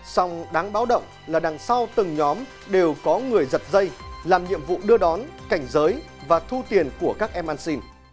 song đáng báo động là đằng sau từng nhóm đều có người giật dây làm nhiệm vụ đưa đón cảnh giới và thu tiền của các em ăn xin